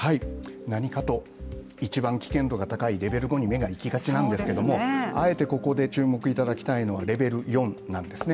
何かと一番危険度が高いレベル５に目が行きがちなんですけれどもあえてここで注目いただきたいのはレベル４なんですね。